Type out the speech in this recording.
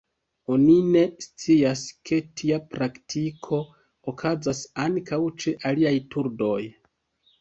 Oni ne scias, ke tia praktiko okazas ankaŭ ĉe aliaj turdoj.